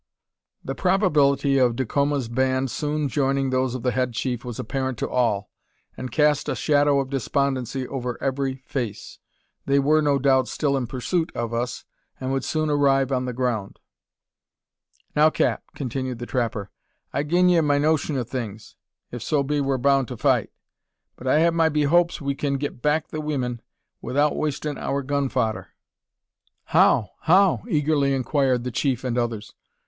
The probability of Dacoma's band soon joining those of the head chief was apparent to all, and cast a shadow of despondency over every face. They were, no doubt, still in pursuit of us, and would soon arrive on the ground. "Now, cap," continued the trapper, "I've gi'n ye my notion o' things, if so be we're boun' to fight; but I have my behopes we kin get back the weemen 'ithout wastin' our gun fodder." "How? how?" eagerly inquired the chief and others.